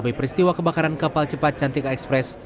di setiwa kebakaran kapal cepat cantika express